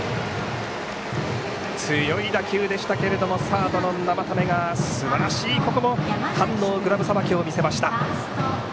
強い打球でしたけれどもサードの生田目がすばらしい反応グラブさばきを見せました。